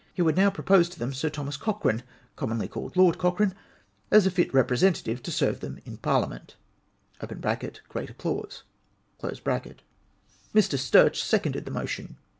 He would now propose to them Sir Thomas Cochrane, commonly called Lord Cochrane^ as a fit representative to serve them in Par liament {great applause). Me. Sturch seconded the motion.